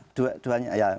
ya dua duanya ya